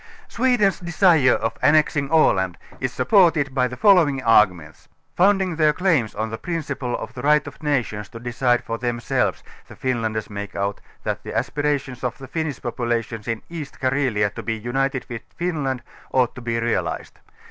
Sweden's desire of annexing Aland is supported by the following arguments: founding their claims on the prin ciple of the right of nations to decide for themselves, the Finlanders' make out, that the aspirations of the Finnish population in East Carelia to be united with Finland, ought to be realized.